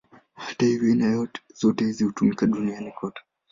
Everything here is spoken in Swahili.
Hata hivyo, aina zote hizi hutumika duniani kote.